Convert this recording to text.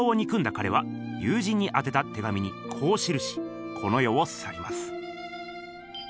かれは友人にあてた手紙にこう記しこの世をさります。